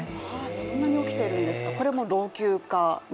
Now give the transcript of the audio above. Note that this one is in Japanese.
そんなに起きているんですか、これも老朽化が？